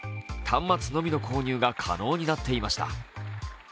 端末のみの購入が可能になっていました。